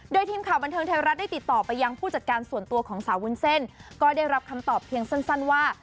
โดยทีมข่าวบันเทิงไทยรัฐได้ติดต่อไปยังผู้จัดการส่วนตัวของสาววุ้นเส้นก็ได้รับคำตอบเพียงสั้นว่า